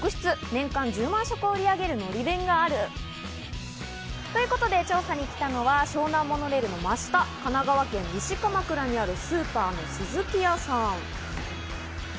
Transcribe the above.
年間１０万食を売り上げるのり弁があるということで調査に来たのは湘南モノレールの真下、神奈川県西鎌倉にあるスーパーのスズキヤさん。